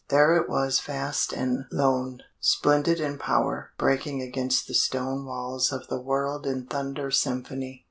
There it was vast and lone, Splendid in power, breaking against the stone Walls of the world in thunder symphony.